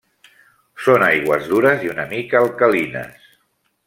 Són aigües dures i una mica alcalines.